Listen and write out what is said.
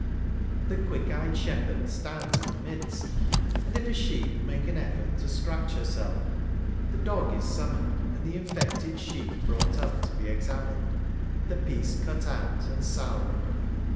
The quick eyed shepherd stands in the midst, and, if a sheep make an effort to scratch j herself, the dog is summoned, and the infected ^ sheep brought up to be examined, the piece , cut out, and salved.